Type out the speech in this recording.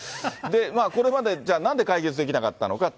これまでじゃあなんで解決できなかったのかって。